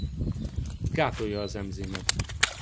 Gátolja a enzimet.